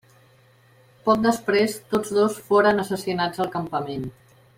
Poc després, tots dos foren assassinats al campament.